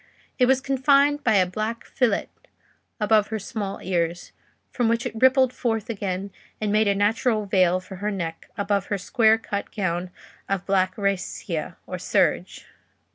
It was confined by a black fillet above her small ears, from which it rippled forward again, and made a natural veil for her neck above her square cut gown of black rascia, or serge.